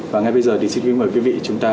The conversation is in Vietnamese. và ngay bây giờ thì xin kính mời quý vị chúng ta